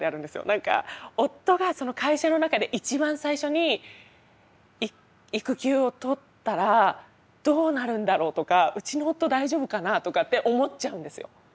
何か夫が会社の中で一番最初に育休を取ったらどうなるんだろうとかうちの夫大丈夫かなとかって思っちゃうんですよ。